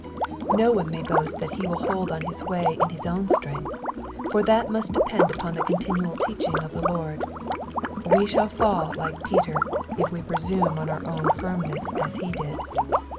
No one may boast that he will hold on his way in his own strength, for that must depend upon the continual teaching of the Lord : we shall fall like Peter, if we presume on our own firmness as he did.